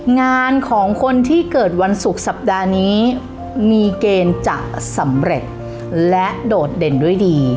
งานของคนที่เกิดวันศุกร์สัปดาห์นี้มีเกณฑ์จะสำเร็จและโดดเด่นด้วยดี